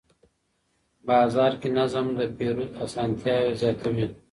بازار کې نظم د پیرود اسانتیا زیاتوي